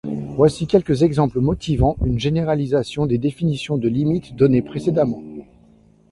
Voici quelques exemples motivant une généralisation des définitions de limite données précédemment.